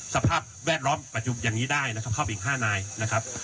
สภาพแวดล้อมปัจจุบันอย่างนี้ได้นะครับเข้าไปอีก๕นายนะครับ